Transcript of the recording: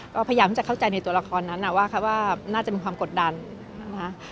ก็พยายามที่จะเข้าใจในตัวละครนั้นว่าน่าจะมีความกดดันนะคะ